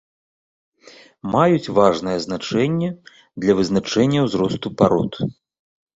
Маюць важнае значэнне для вызначэння ўзросту парод.